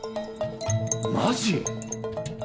マジ？